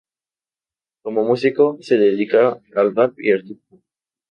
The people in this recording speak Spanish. Como músico, se dedica al rap y al hip-hop.